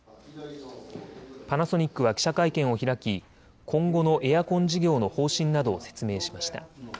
パナソニックは記者会見を開き今後のエアコン事業の方針などを説明しました。